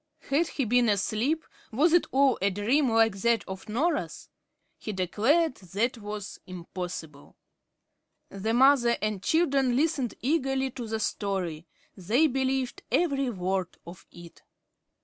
Had he been asleep? was it all a dream, like that of Norah's? He declared that was impossible. The mother and children listened eagerly to the story. They believed every word of it.